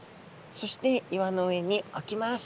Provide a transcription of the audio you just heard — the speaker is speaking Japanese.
そして岩の上におきます。